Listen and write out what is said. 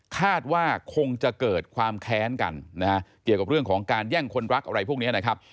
คาดว่าคงจะเกิดความแค้นกันนะฮะเกี่ยวกับเรื่องของการแย่งคนรักอะไรพวกนี้นะครับ